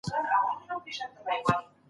د شاګرد نیمګړتیاوې پټې مه ساتئ.